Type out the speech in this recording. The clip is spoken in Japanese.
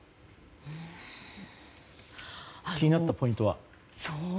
気になったポイントは？